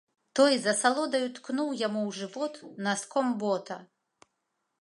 Той з асалодаю ткнуў яму ў жывот наском бота.